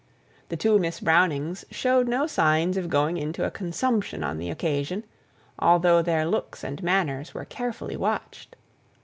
The two Miss Brownings showed no signs of going into a consumption on the occasion, although their looks and manners were carefully watched.